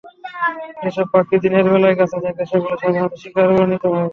যেসব পাখি দিনের বেলায় গাছে থাকে, সেগুলোই সাধারণত শিকারে পরিণত হয়।